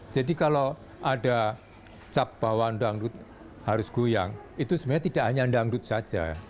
jadi kalau ada cap bahwa dangdut harus goyang itu sebenarnya tidak hanya dangdut saja